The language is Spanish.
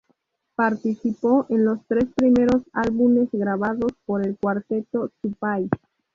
Participó en los tres primeros álbumes grabados por el Cuarteto Zupay.